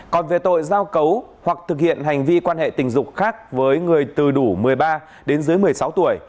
còn về tội giao cấu hoặc thực hiện hành vi quan hệ tình dục khác với người từ đủ một mươi ba đến dưới một mươi sáu tuổi